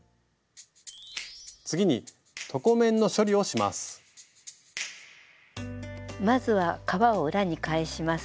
次にまずは革を裏に返します。